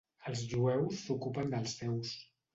Els jueus s'ocupen dels seus.